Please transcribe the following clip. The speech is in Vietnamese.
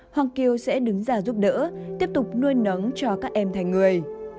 hoàng kiều sẽ đứng ra giúp đỡ tiếp tục nuôi nấng cho các em thành người